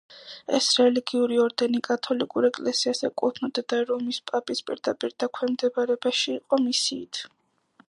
ეს რელიგიური ორდენი კათოლიკურ ეკლესიას ეკუთვნოდა და რომის პაპის პირდაპირ დაქვემდებარებაში იყო მისიით.